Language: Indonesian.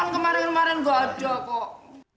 yang kemarin kemarin gajal kok